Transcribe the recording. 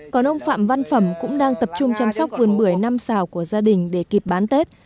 còn ông phạm văn phẩm cũng đang tập trung chăm sóc vườn bưởi năm xào của gia đình để kịp bán tết